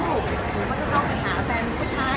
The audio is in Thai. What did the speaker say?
หนูก็จะต้องไปหาแฟนผู้ชาย